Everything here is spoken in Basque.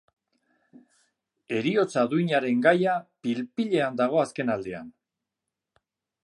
Heriotza duinaren gaia pil-pilean dago azken aldian.